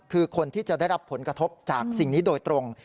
คือคนที่จะได้รับผลกระทบจากสิ่งนี้โดยตรง